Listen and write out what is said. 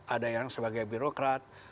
ada yang sebagai birokrat